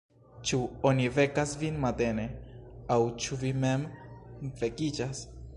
Ĉu oni vekas vin matene, aŭ ĉu vi mem vekiĝas?